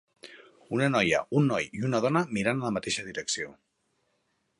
Una noia, un noi i una dona mirant en la mateixa direcció.